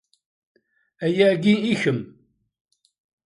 Aya-agi i kem.